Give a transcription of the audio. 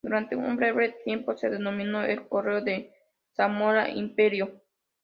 Durante un breve tiempo se denominó "El Correo de Zamora-Imperio".